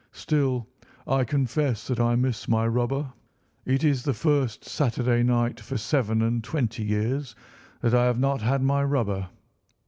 "Still, I confess that I miss my rubber. It is the first Saturday night for seven and twenty years that I have not had my rubber."